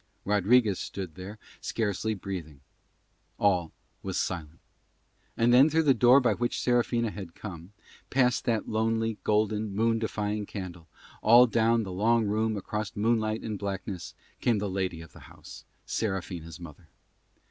Rodriguez stood there, scarcely breathing. All was silent. And then through the door by which Serafina had come, past that lonely, golden, moon defying candle, all down the long room across moonlight and blackness, came the lady of the house, Serafina's mother.